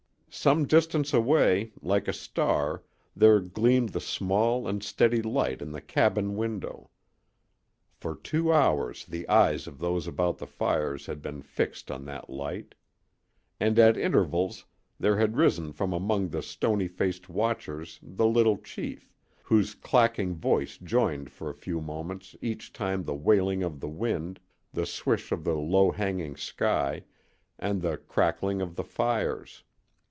Some distance away, like a star, there gleamed the small and steady light in the cabin window. For two hours the eyes of those about the fires had been fixed on that light. And at intervals there had risen from among the stony faced watchers the little chief, whose clacking voice joined for a few moments each time the wailing of the wind, the swish of the low hanging sky, and the crackling of the fires.